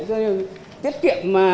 để tiết kiệm